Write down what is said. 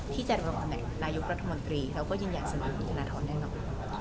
ที่จะเรียกว่าไหนนายุครัฐมนตรีเราก็ยืนยันสมัครคุณฐานทรได้หรือเปล่า